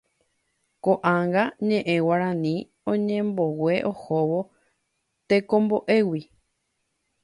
Koʼág̃a ñeʼẽ Guarani oñembogue ohóvo tekomboʼégui.